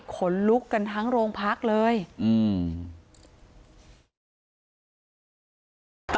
ขนลุกกันทั้งโรงพักเลยอืม